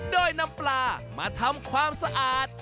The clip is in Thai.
โดยนำปลามาทำความสะอาด